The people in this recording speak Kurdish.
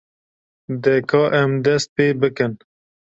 De ka em dest pê bikin.